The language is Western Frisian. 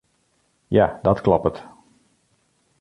Ja, dat kloppet.